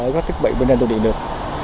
các thiết bị tên địa được